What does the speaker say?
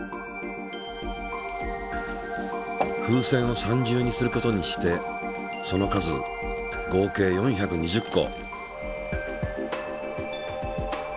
風船を３重にすることにしてその数合計４２０個。